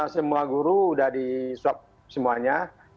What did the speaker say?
semua guru sudah disuap semuanya